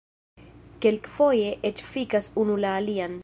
Kaj kelkfoje eĉ fikas unu la alian